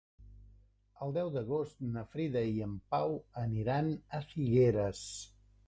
El deu d'agost na Frida i en Pau aniran a Figueres.